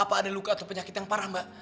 apa ada luka atau penyakit yang parah mbak